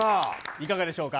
いかがでしょうか。